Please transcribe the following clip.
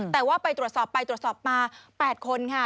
แต่ว่าไปตรวจสอบไปตรวจสอบมา๘คนค่ะ